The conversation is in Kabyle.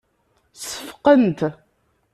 Seffqent.